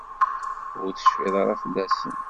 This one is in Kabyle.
Ur tecfiḍ ara fell-asen?